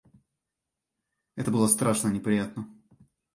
Это было страшно неприятно.